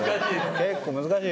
結構難しい。